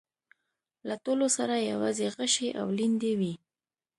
له ټولو سره يواځې غشي او ليندۍ وې.